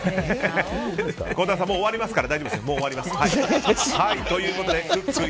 孝太郎さん、もう終わりますから大丈夫です。